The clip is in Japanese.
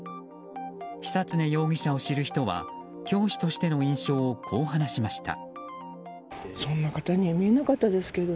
久恒容疑者を知る人は教師としての印象をこう話しました。